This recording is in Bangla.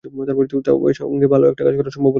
তার সঙ্গে ভালো একটা কাজ করা সম্ভব হবে বলেই আশা করছি।